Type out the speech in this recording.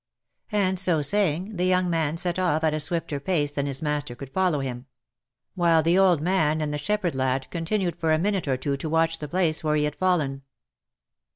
And so saying, the young man set off at a swifter pace than his master could follow him ; while the old man and the other shepherd 302 THE LIFE AND ADVENTURES lad continued for a minute or two to watch the place where he had fallen.